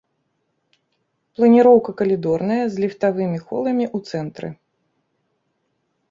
Планіроўка калідорная з ліфтавымі холамі ў цэнтры.